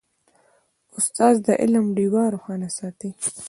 استاد د علم ډیوه روښانه ساتي.